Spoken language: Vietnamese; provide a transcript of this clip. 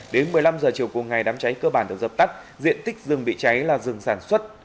đến một mươi năm h chiều cùng ngày đám cháy cơ bản được dập tắt diện tích rừng bị cháy là rừng sản xuất